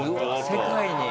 世界に？